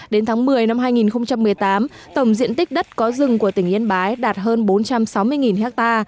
đến tháng một mươi năm hai nghìn một mươi tám tổng diện tích đất có rừng của tỉnh yên bái đạt hơn bốn trăm sáu mươi ha